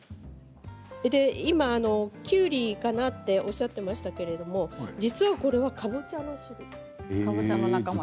今きゅうりかなとおっしゃっていましたけれども実はこれは、かぼちゃの仲間。